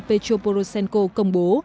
petro poroshenko công bố